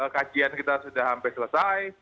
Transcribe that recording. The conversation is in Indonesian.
kajian kita sudah hampir selesai